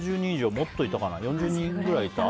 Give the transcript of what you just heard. もっといたかな４０人くらいいた？